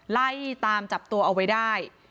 ไล่ตามจับตัวเอาไว้ได้